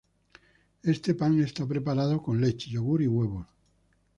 Este pan es preparado con leche, yogur, y huevos.